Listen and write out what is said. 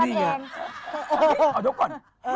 มี๕๖แถวเท่านั้นแหลง